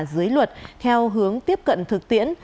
dưới luật theo hướng tiếp cận thực tiễn